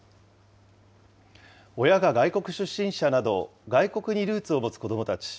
親が外国出身者など、外国にルーツを持つ子どもたち。